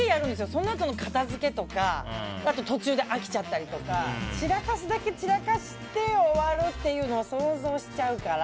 そのあとの片付けとか途中で飽きちゃったりとか散らかすだけ散らかして終わるっていうのを想像しちゃうから。